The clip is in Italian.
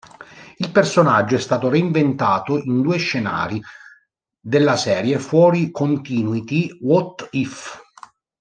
Il personaggio è stato reinventato in due scenari della serie fuori continuity "What If?